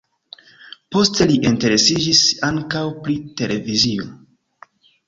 Poste li interesiĝis ankaŭ pri televizio.